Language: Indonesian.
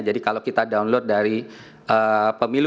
jadi kalau kita download dari pemilu dua ribu dua puluh